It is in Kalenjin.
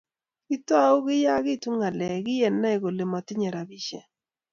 Kitou kiyakituu ng'alek kiyenai kole motinye robishe.